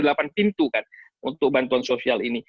ada delapan pintu untuk bantuan sosial ini